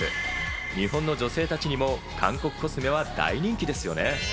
日本の女性たちにも韓国コスメは大人気ですよね。